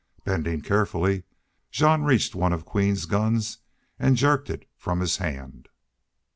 Bending carefully, Jean reached one of Queen's guns and jerked it from his hand.